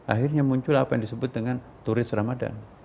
akhirnya muncul apa yang disebut dengan turis ramadhan